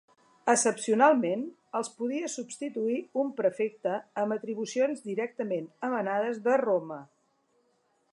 Excepcionalment, els podia substituir un prefecte amb atribucions directament emanades de Roma.